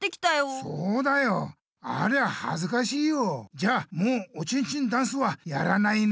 じゃあもうおちんちんダンスはやらないね。